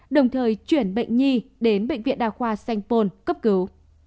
đồng thời chuyển bệnh nhi đến bệnh viện đa khoa sanh pôn cấp cứu